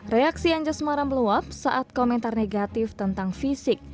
reaksi anja semarang meluap saat komentar negatif tentang fisik